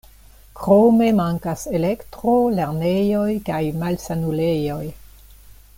Krome mankas elektro, lernejoj kaj malsanulejoj.